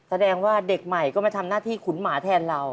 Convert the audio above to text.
แสดงว่าเด็กใหม่ก็มาทำหน้าที่ขุนหมาแทนเรา